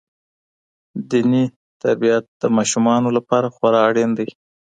دیني تربیت د ماشومانو لپاره خورا اړین دی.